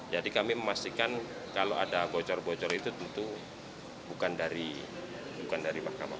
jadi kami memastikan kalau ada bocor bocor itu tentu bukan dari mahkamah konstitusi